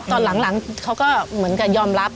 ตอนหลังเขาก็เหมือนกับยอมรับ